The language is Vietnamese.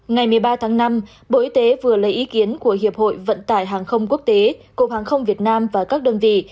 ngày một mươi ba tháng năm bộ y tế vừa lấy ý kiến của hiệp hội vận tải hàng không quốc tế cục hàng không việt nam và các đơn vị